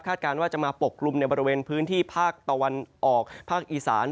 การว่าจะมาปกกลุ่มในบริเวณพื้นที่ภาคตะวันออกภาคอีสาน